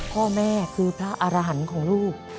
พ่อแม่คือพระอารหันต์ของลูก